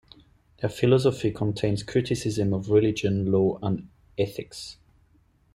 Their philosophy contains criticism of religion, law, and ethics.